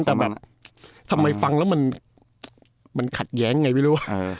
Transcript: แต่แบบทำไมฟังแล้วมันขัดแย้งไงไม่รู้